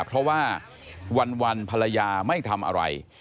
เพราะว่าวันภรรยาไม่ทำอะไร